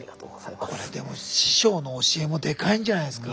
これでも師匠の教えもでかいんじゃないですか？